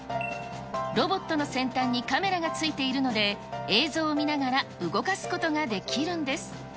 ロボットの先端にカメラがついているので、映像を見ながら動かすことができるんです。